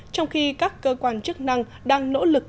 trong khi các cơ quan chức năng đang nỗ lực